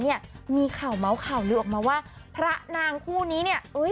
เนี่ยมีข่าวเมาต์หลีอออกมาว่าพระนางคู่นี้เนี่ย